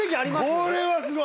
これはすごい！